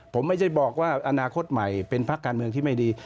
ผมไม่ใช่บอกว่าอนาคตใหม่เป็นพักการเมืองที่ไม่ดี